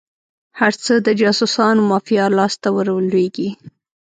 هر څه د جاسوسانو مافیا لاس ته ور ولویږي.